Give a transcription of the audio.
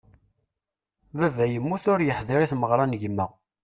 Baba yemmut ur yeḥdiṛ i tmerɣra n gma.